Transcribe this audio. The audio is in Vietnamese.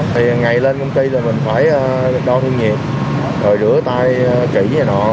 thì ngày lên công ty là mình phải đo thương nhiệt rồi rửa tay kỹ và nọ